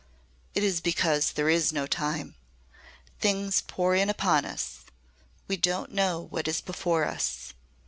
"It is because there is no time. Things pour in upon us. We don't know what is before us.